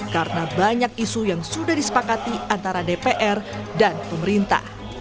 karena banyak isu yang sudah disepakati antara dpr dan pemerintah